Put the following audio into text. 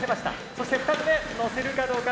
そして２つ目乗せるかどうか。